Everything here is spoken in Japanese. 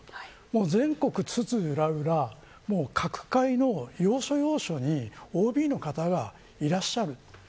全国津々浦々各界の要所要所にＯＢの方がいらっしゃる。